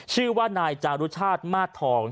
ชื่อว่านายจารุชาติมาสทอง